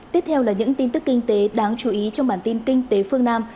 tiếp theo là những tin tức kinh tế đáng chú ý trong bản tin kinh tế phương nam